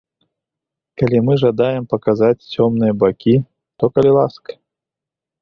Калі мы жадаем паказаць цёмныя бакі, то калі ласка!